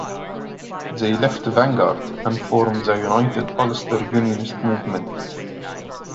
They left Vanguard and formed the United Ulster Unionist Movement.